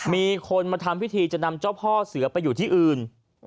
มีคนมาทำพิธีจะนำเจ้าพ่อเสือไปอยู่ที่อื่น